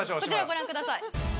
こちらをご覧ください。